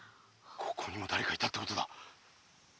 ここにもだれかいたってことだ。